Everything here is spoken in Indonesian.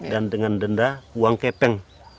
dan dengan denda uang kepeng